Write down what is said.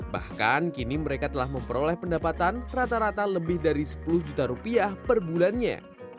bahkan kini mereka telah memperoleh pendapatan rata rata lebih dari sepuluh juta rupiah per bulannya